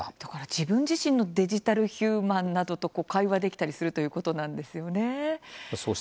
自分自身のデジタルヒューマンと対話ができたりするということなんですね。